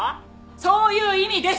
そういう意味です！